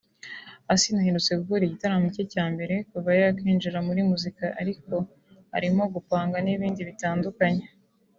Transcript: Asinah aherutse gukora igitaramo cye cya mbere kuva yakwinjira muri muzika ariko arimo gupanga n'ibindi bitandukanye